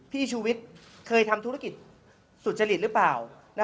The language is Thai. ชูวิทย์เคยทำธุรกิจสุจริตหรือเปล่า